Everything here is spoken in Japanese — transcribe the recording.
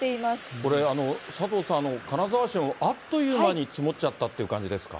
これ、佐藤さん、金沢市もあっという間に積もっちゃったという感じですか。